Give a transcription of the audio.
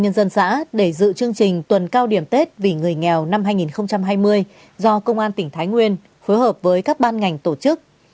nhân dân xã để dự chương trình tuần cao điểm tết vì người nghèo năm hai nghìn hai mươi do công an tỉnh thái nguyên phối hợp với các ban ngành tổ chức